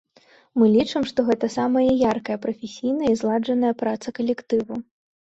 Мы лічым, што гэта самая яркая, прафесійная і зладжаная праца калектыву.